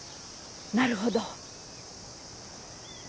なるほど。